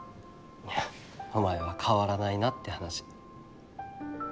いやお前は変わらないなって話。